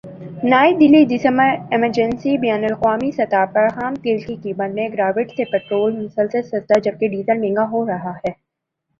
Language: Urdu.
نئی دہلی دسمبرایجنسی بین الاقوامی سطح پر خام تیل کی قیمت میں گراوٹ سے پٹرول مسلسل سستا جبکہ ڈیزل مہنگا ہو رہا ہے